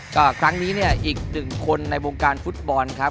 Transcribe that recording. ก็ครั้งนี้เนี่ยอีกหนึ่งคนในวงการฟุตบอลครับ